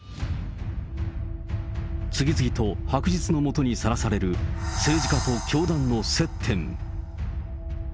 次々と白日の下にさらされる、政治家と教団の接点。